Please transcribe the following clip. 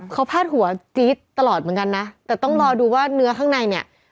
เขาพาดหัวจี๊ดตลอดเหมือนกันนะแต่ต้องรอดูว่าเนื้อข้างในเนี่ย